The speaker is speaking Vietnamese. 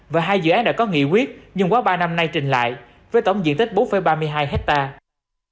và hai dự án đã có nghị quyết nhưng quá ba năm nay trình lại với tổng diện tích bốn ba mươi hai hectare